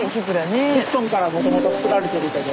コットンからもともと作られてるので。